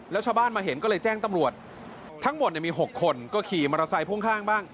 แล้วชาวบ้านมาเห็นก็เลยแจ้งตำรวจทั้งหมดมี๖คนก็ขี่มอเตอร์ไซค่วงข้างบ้าง